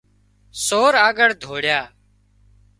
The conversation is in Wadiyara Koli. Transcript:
سور آڳۯ ڌوڙيا